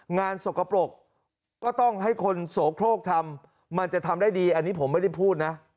สกปรกก็ต้องให้คนโสโครกทำมันจะทำได้ดีอันนี้ผมไม่ได้พูดนะ